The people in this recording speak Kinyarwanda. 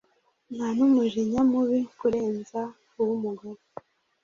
nta n'umujinya mubi kurenza uw'umugore